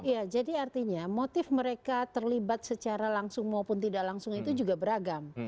ya jadi artinya motif mereka terlibat secara langsung maupun tidak langsung itu juga beragam